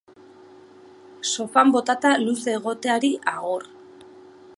Sofan botata luze egoteari, agur.